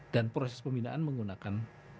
dan proses pembinaan menggunakan